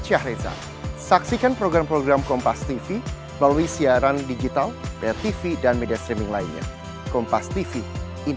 yang satu yang biar itu bisa menjajahkan